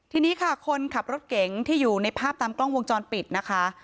ทีนี้ค่ะคนขับรถเก๋งที่อยู่ในภาพตามกล้องวงจรปิดนะคะ